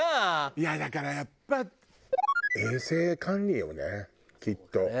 いやだからやっぱ衛生管理よねきっと。